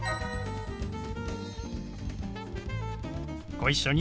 ご一緒に。